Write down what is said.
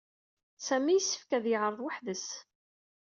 Sami yessefk ad yeɛreḍ weḥd-s.